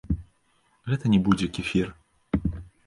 Гэта не будзе кефір.